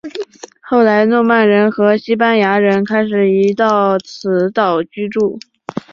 后来诺曼人和西班牙人开始移到此岛居住。